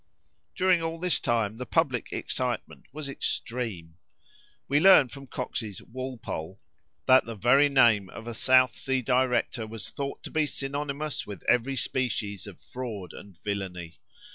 During all this time the public excitement was extreme. We learn from Coxe's Walpole, that the very name of a South Sea director was thought to be synonymous with every species of fraud and villany.